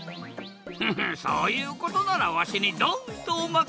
フフッそういうことならわしにドンとおまかせ！